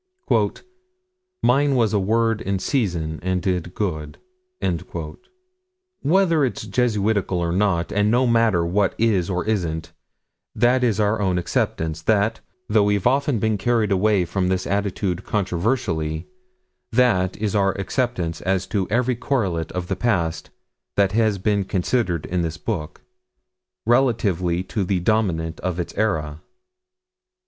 "Mine was a word in season and did good." Whether it's Jesuitical or not, and no matter what it is or isn't, that is our own acceptance: that, though we've often been carried away from this attitude controversially, that is our acceptance as to every correlate of the past that has been considered in this book relatively to the Dominant of its era.